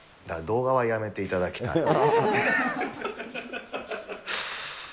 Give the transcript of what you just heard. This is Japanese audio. だから動画はやめていただきたい。